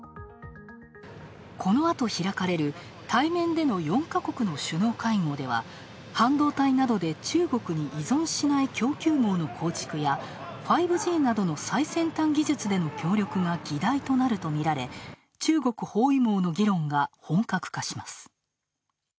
このあと開かれる対面での４か国の首脳会合では半導体などで中国に依存しない供給網の構築や５Ｇなどの最先端技術での協力が議題となるとみられ、中国包囲網の議論が本格化します。